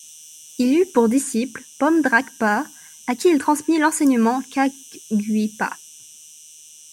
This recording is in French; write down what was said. Il eut pour disciple Pomdrakpa, a qui il transmit l’enseignement Kagyupa.